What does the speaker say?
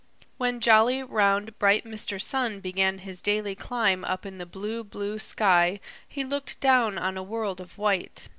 When jolly, round, bright Mr. Sun began his daily climb up in the blue, blue sky he looked down on a world of white.